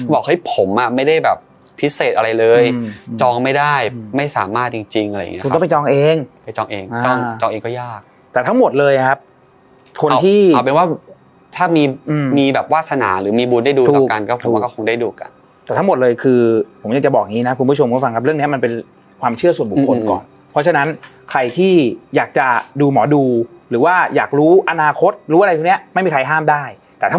ทั้งหมดเลยนะครับคนที่เอาเป็นว่าอืมถ้ามีอืมมีแบบวาสนาหรือมีบุญได้ดูต่อกันก็คงว่าก็คงได้ดูกันแต่ทั้งหมดเลยคือผมอยากจะบอกอย่างงี้น่ะคุณผู้ชมคุณฟังครับเรื่องนี้มันเป็นความเชื่อส่วนบุคคลก่อนเพราะฉะนั้นใครที่อยากจะดูหมอดูหรือว่าอยากรู้อนาคตรู้อะไรแบบเนี้ยไม่มีใครห้ามได้